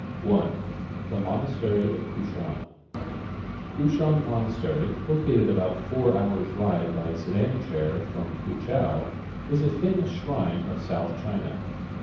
1. The Monastery of Kushan Kushan Monastery, located about four hours' ride by sedan chair from Foochow, is a famous shrine of South China.